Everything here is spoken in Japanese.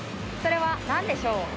それは何でしょう？